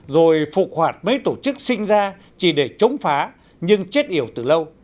rồi phục hoạt mấy tổ chức sinh ra chỉ để chống phá nhưng chết yểu từ lâu